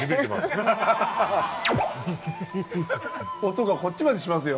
音がこっちまでしますよ。